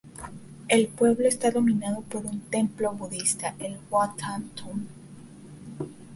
El pueblo está dominado por un templo budista, el Wat Tha Ton.